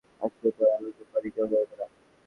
আজকের পরে আমার কোম্পানির কেউ মরবে না।